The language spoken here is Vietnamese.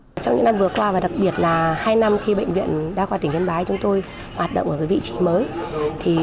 trong những năm vừa qua và đặc biệt là hai năm khi bệnh viện đa khoa tỉnh yên bái chúng tôi hoạt động ở vị trí mới